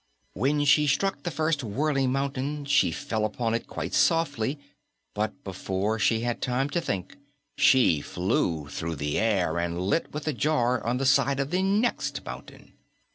When she struck the first whirling mountain, she fell upon it quite softly, but before she had time to think, she flew through the air and lit with a jar on the side of the next mountain.